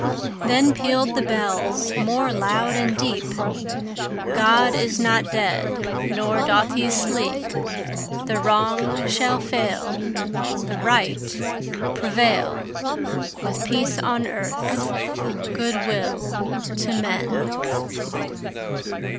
Then pealed the bells more loud and deep: "God is not dead; nor doth he sleep! The Wrong shall fail, The Right prevail, With peace on earth, good will to men!"